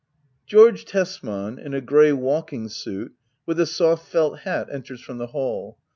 George Tesman, in a grey walking suit, with a soft felt hat, enters from the hall.